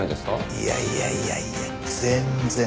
いやいやいやいや全然。